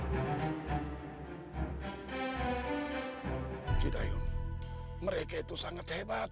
gidayun mereka itu sangat hebat